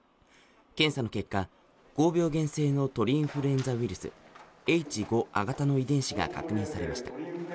検査の結果、高病原性の鳥インフルエンザウイルス、Ｈ５亜型の遺伝子が確認されました。